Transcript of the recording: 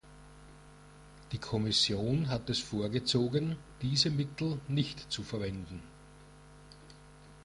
Die Kommission hat es vorgezogen, diese Mittel nicht zu verwenden.